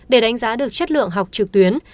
để đánh giá được chất lượng học trực tuyến